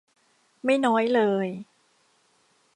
ไม่น้อยเลย